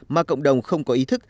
mà cộng đồng không có ý thức